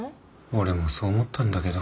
俺もそう思ったんだけど。